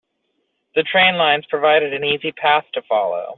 The train lines provided an easy path to follow.